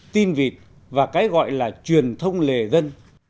tin vịt và cái gọi là truyền thông lề dân